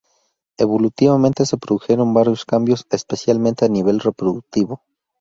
Evolutivamente se produjeron varios cambios, especialmente a nivel reproductivo.